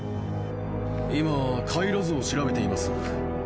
今回路図を調べています